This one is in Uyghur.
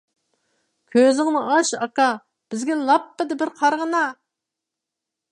كۆزۈڭنى ئاچ، ئاكا، بىزگە لاپپىدە بىر قارىغىنا!